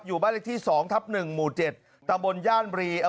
อยู่บ้านเล็กที่๒๑หมู่๗ตามบรย่านบรี